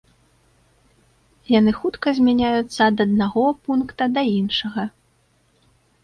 Яны хутка змяняюцца ад аднаго пункта да іншага.